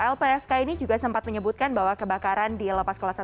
lpsk ini juga sempat menyebutkan bahwa kebakaran di lepas kelas satu